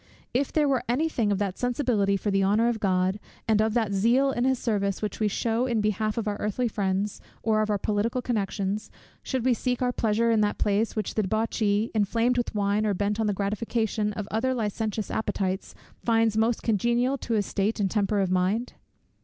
If there were any thing of that sensibility for the honour of God, and of that zeal in his service, which we shew in behalf of our earthly friends, or of our political connections, should we seek our pleasure in that place which the debauchee, inflamed with wine, or bent on the gratification of other licentious appetites, finds most congenial to his state and temper of mind?